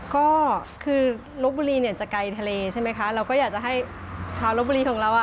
ก็คือโรคบุรีจะไกลทะเลใช่ไหมคะเราก็อยากจะให้ขาวโรคบุรีของเรา